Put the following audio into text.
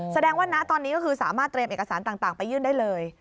แสดงว่าณตอนนี้ก็คือสามารถเตรียมเอกสารต่างไปยื่นได้เลย